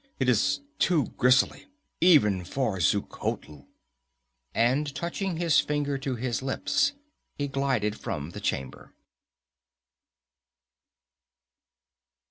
It is too grisly, even for Xuchotl!" And touching his finger to his lips, he glided from the chamber.